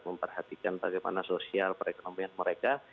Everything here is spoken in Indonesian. memperhatikan bagaimana sosial perekonomian mereka